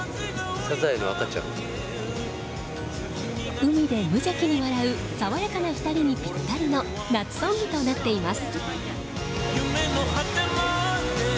海で無邪気に笑う爽やかな２人のぴったりの夏ソングとなっています。